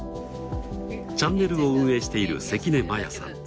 チャンネルを運営している関根摩耶さん。